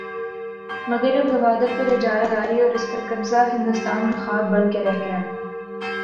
مگر اب گوادر پر اجارہ داری اور اس پر قبضہ ہندوستان کا خواب بن کے رہ گیا۔